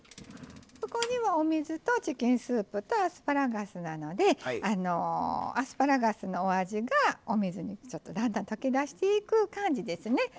ここにはお水とチキンスープとアスパラガスなのでアスパラガスのお味がお水にだんだん溶け出していく感じですね。